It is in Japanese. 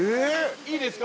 ・いいですか？